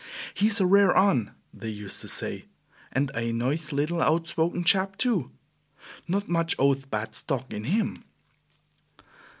"He's a rare un," they used to say. "An' a noice little outspoken chap, too. Not much o' th' bad stock in him."